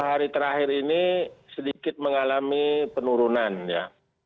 hari terakhir ini sedikit mengalami penurunan ya